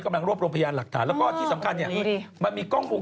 เขาบอกเป็นอุบัติเหตุเค้าเบรกไม่ทัน